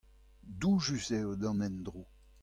Doujus eo d'an endro.